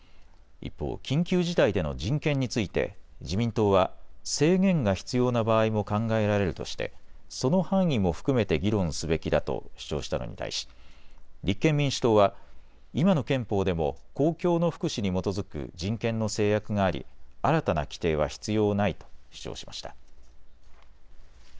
一方、緊急事態での人権について自民党は制限が必要な場合も考えられるとしてその範囲も含めて議論すべきだと主張したのに対し立憲民主党は今の憲法でも公共の福祉に基づく人権の制約があり新たな規定は必要ないと主張しました。